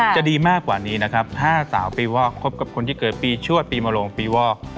จะดีมากกว่านี้นะครับถ้าสาวปีวอกคบกับคนที่เกิดปีชวดปีมลงปีวอก